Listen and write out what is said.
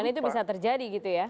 dan itu bisa terjadi gitu ya